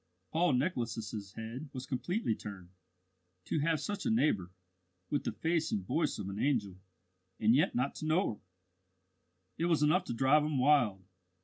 Paul Nicholas's head was completely turned. To have such a neighbour, with the face and voice of an angel, and yet not to know her! It was enough to drive him wild.